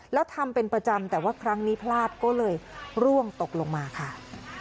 แล้วทำเป็นประจำแต่ว่าครั้งนี้พลาดก็เลยร่วงตกลงมาค่ะ